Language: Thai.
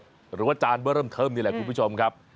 หรือว่าจานเบอร์เติมนี่แหละคุณผู้ชมครับ